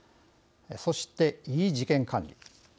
そして、ｅ事件管理。